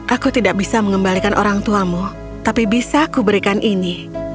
aku tidak bisa mengembalikan orang tuamu tapi bisa aku berikan ini